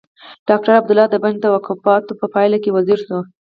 ډاکټر عبدالله د بن د توافقاتو په پايله کې وزیر شو.